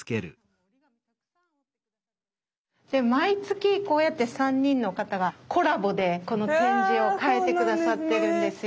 毎月こうやって３人の方がコラボでこの展示を変えて下さってるんですよ。